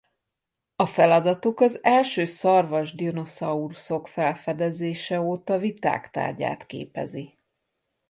A feladatuk az első szarvas dinoszauruszok felfedezése óta viták tárgyát képezi.